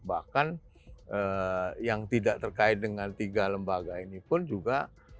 bahkan yang tidak terkait dengan tiga lembaga ini pun juga